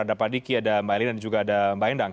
ada pak diki ada mbak elina dan juga ada mbak endang